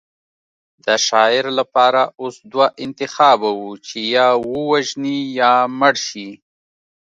د شاعر لپاره اوس دوه انتخابه وو چې یا ووژني یا مړ شي